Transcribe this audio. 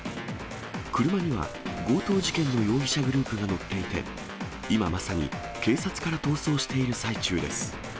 車には強盗事件の容疑者グループが乗っていて、今まさに警察から逃走している最中です。